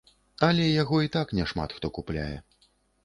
Але яго і так няшмат хто купляе.